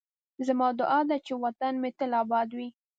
زما دعا ده چې وطن مې تل اباد